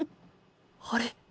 あれ？